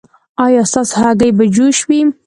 ایا ستاسو هګۍ به جوش وي؟